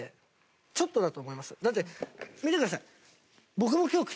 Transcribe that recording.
だって見てください！